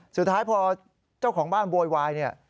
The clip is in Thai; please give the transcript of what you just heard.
สุดท้ายพอเจ้าของบ้านโวยวายเนี่ย